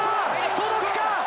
届くか？